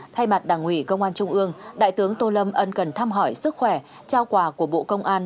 thay mặt đảng ủy công an trung ương đại tướng tô lâm ân cần thăm hỏi sức khỏe trao quà của bộ công an